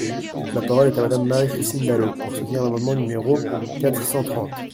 La parole est à Madame Marie-Christine Dalloz, pour soutenir l’amendement numéro quatre cent trente.